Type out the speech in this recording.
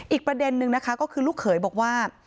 อีกประเด็นนึงนะคะก็คือลูกเขยบอกว่า